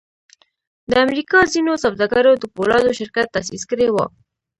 د امریکا ځینو سوداګرو د پولادو شرکت تاسیس کړی و